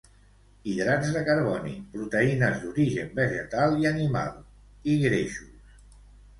Hidrats de carboni, proteïnes d'origen vegetal i animal, i greixos.